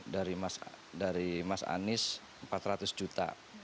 dari mas anies empat ratus juta